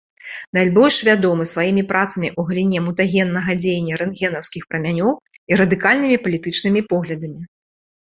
Найбольш вядомы сваімі працамі ў галіне мутагеннага дзеяння рэнтгенаўскіх прамянёў і радыкальнымі палітычнымі поглядамі.